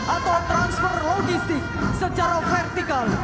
atau transfer logistik secara vertikal